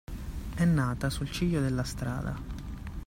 È nata sul ciglio della strada.